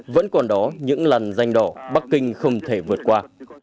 vẫn còn đó những lần danh đỏ bắc kinh không thể vượt qua